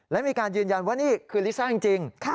และมีการยืนยันว่านี่คือลิซ่าจริง